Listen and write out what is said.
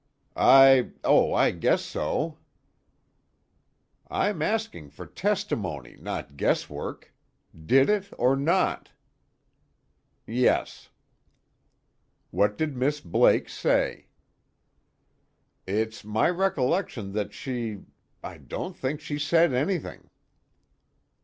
"I oh, I guess so." "I'm asking for testimony, not guesswork. Did it, or not?" "Yes." "What did Miss Blake say?" "It's my recollection that she I don't think she said anything."